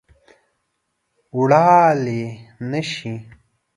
وړلای نه شي